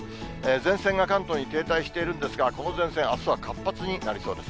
前線が関東に停滞しているんですが、この前線、あすは活発になりそうです。